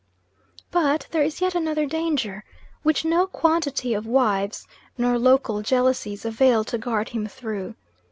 But there is yet another danger, which no quantity of wives, nor local jealousies avail to guard him through.